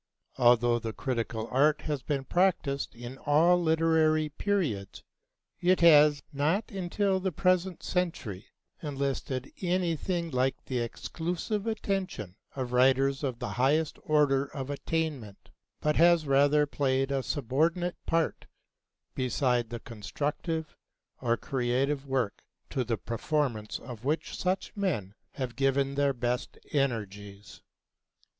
Although the critical art has been practiced in all literary periods, it has not until the present century enlisted anything like the exclusive attention of writers of the highest order of attainment, but has rather played a subordinate part beside the constructive or creative work to the performance of which such men have given their best energies.